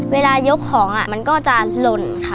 เวลายกของมันก็จะลน